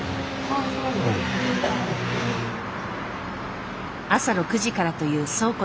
朝６時からという倉庫での作業。